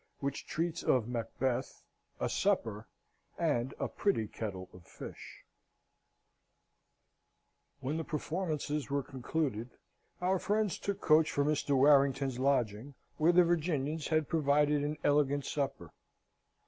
Which treats of Macbeth, a Supper, and a Pretty Kettle of Fish When the performances were concluded, our friends took coach for Mr. Warrington's lodging, where the Virginians had provided an elegant supper.